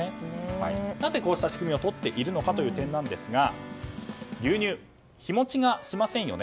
なぜこうした仕組みをとっているのかという点ですが牛乳、日持ちがしませんよね。